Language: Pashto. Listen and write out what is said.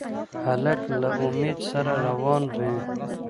هلک له امید سره روان وي.